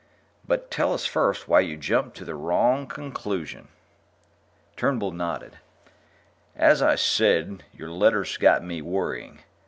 "But tell us first why you jumped to the wrong conclusion." Turnbull nodded. "As I said, your letters got me worrying.